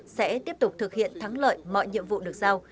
sẽ tiếp tục thực hiện thắng lợi mọi nhiệm vụ được giao